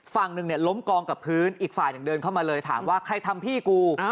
ฝั่งหนึ่งเนี่ยล้มกองกับพื้นอีกฝ่ายหนึ่งเดินเข้ามาเลยถามว่าใครทำพี่กู